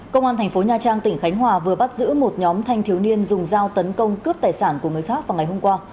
công an thành phố nha trang tỉnh khánh hòa vừa bắt giữ một nhóm thanh thiếu niên dùng dao tấn công cướp tài sản của người khác vào ngày hôm qua